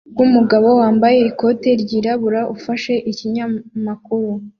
bwumugabo wambaye ikote ryirabura ufashe ikinyamakuru